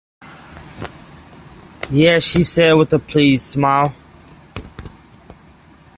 "Yes", she said, with a pleased smile.